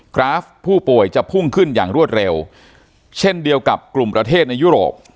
กราฟผู้ป่วยจะพุ่งขึ้นอย่างรวดเร็วเช่นเดียวกับกลุ่มประเทศในยุโรป